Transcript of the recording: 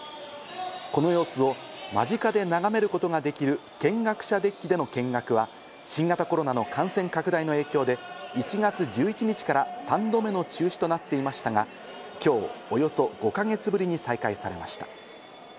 この様子を間近で眺めることができる見学者デッキでの見学は、新型コロナの感染拡大の影響で１月１１日から３度目の中止となっていましたが、今日およそ５か月ぶりに再開されました。